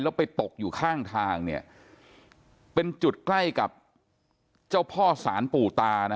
แล้วไปตกอยู่ข้างทางเนี่ยเป็นจุดใกล้กับเจ้าพ่อสารปู่ตานะ